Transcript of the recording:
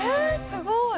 すごい。